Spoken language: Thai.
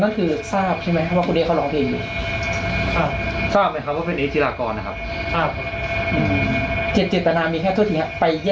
แต่ผมไม่เจอแผงแล้วทำไมต้องขึ้นไปน่ะตรงนั้นเพื่อจะไปหาอะฮะ